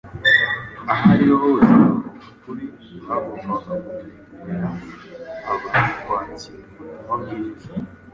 aho ari ho hose abavuga ukuri bagombaga guhindurira abantu kwakira ubutumwa bwiza.